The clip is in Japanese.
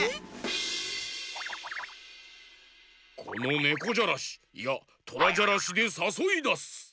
このねこじゃらしいやトラじゃらしでさそいだす！